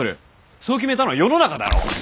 そう決めたのは世の中だろ。